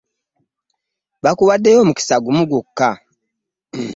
Bakuwaddeyo omukisa gumu gwokka.